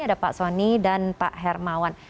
ada pak soni dan pak hermawan